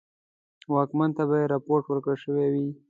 واکمن ته به یې رپوټ ورکړه سوی وو.